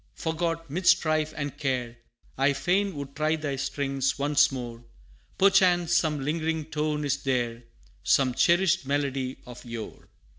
forgot 'mid strife and care, I fain would try thy strings once more, Perchance some lingering tone is there Some cherished melody of yore.